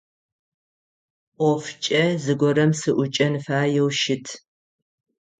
Ӏофкӏэ зыгорэм сыӏукӏэн фаеу щыт.